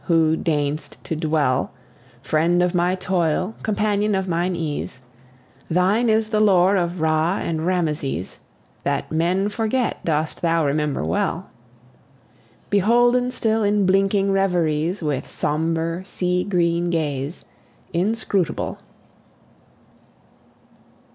who deign'st to dwellFriend of my toil, companion of mine ease, Thine is the lore of Ra and Rameses; That men forget dost thou remember well, Beholden still in blinking reveriesWith sombre, sea green gaze inscrutable.